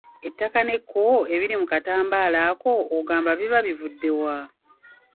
Ettaka n'ekko ebiri mu katambaala ako ogamba biba bivudde wa?